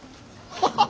アハハハ。